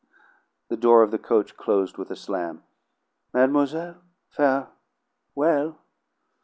The door of the coach closed with a slam. "Mademoiselle fare well!"